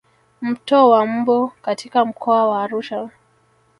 Mto wa mbu katika mkoa wa Arusha